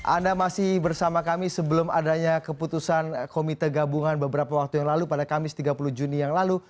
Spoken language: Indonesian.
anda masih bersama kami sebelum adanya keputusan komite gabungan beberapa waktu yang lalu pada kamis tiga puluh juni yang lalu